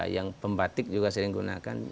yang pembatik juga sering gunakan